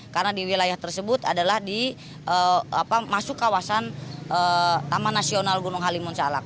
karena di wilayah tersebut adalah di masuk kawasan taman nasional gunung halimun salak